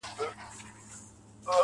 • د ټپې په رزم اوس هغه ده پوه سوه.